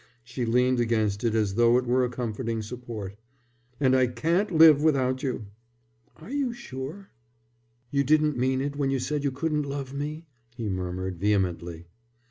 She leaned against it as though it were a comforting support. "And I can't live without you." "Are you sure?" "You didn't mean it when you said you couldn't love me?" he murmured, vehemently.